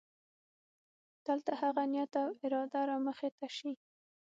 دلته هغه نیت او اراده رامخې ته شي.